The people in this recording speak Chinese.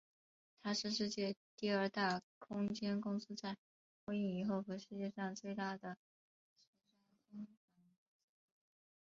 它是世界第二大空间公司在波音以后和世界上最大的十家国防公司之一。